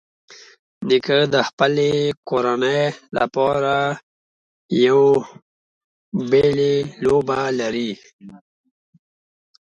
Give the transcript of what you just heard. نیکه د خپلې کورنۍ لپاره یو بېلې لوبه لري.